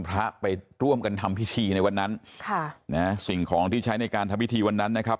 พระไปร่วมกันทำพิธีในวันนั้นค่ะนะฮะสิ่งของที่ใช้ในการทำพิธีวันนั้นนะครับ